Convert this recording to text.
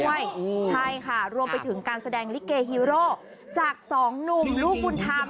ใช่ค่ะรวมไปถึงการแสดงลิเกฮีโร่จากสองหนุ่มลูกบุญธรรม